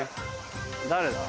誰だ？